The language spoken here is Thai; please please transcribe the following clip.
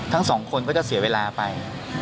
ทั้งสองคนก็จะเสียเวลาไป